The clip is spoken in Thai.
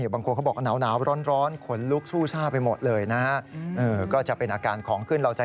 บางคนเขาบอกหนาวร้อนขนลุกชู่ช่าไปหมดเลยนะฮะ